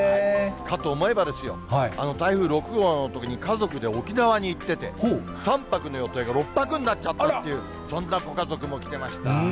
かと思えばですよ、台風６号のときに家族で沖縄に行ってて、３泊の予定が６泊になっちゃったという、そんなご家族も来てました。